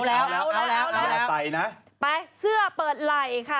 อันนี้อันนี้ซื้อเปิดไหล่ค่ะ